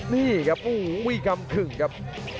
นี่ครับวิกัมกึ่งครับ